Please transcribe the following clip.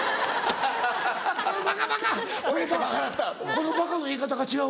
この「バカ」の言い方が違うな。